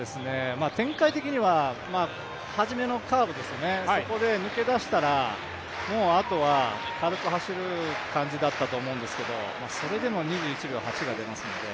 展開的には、初めのカーブで抜け出したらもうあとは軽く走る感じだったと思うんですけどそれでも２１秒８が出ますので。